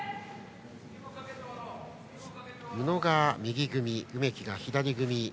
宇野が右組みで梅木が左組み。